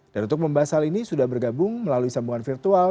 dan untuk membahas hal ini sudah bergabung melalui sambungan virtual